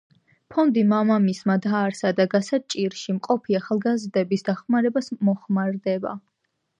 ფონდი მამამისმა დააარსა და გასაჭირში მყოფი ახლგაზრდების დახმარებას მოხმარდება.